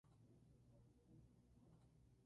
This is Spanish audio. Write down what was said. Se localiza en la carretera de Redondela a Vigo.